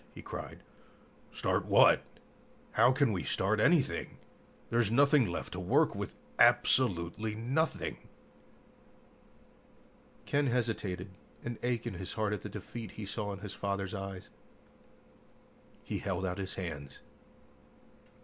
he cried. "Start what? How can we start anything? There's nothing left to work with, absolutely nothing!" Ken hesitated, an ache in his heart at the defeat he saw in his father's eyes. He held out his hands.